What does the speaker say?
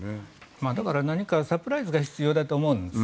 だから何かサプライズが必要だと思うんですね。